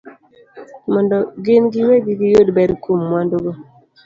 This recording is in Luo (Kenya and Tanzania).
mondo gin giwegi giyud ber kuom mwandugo